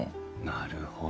なるほどね。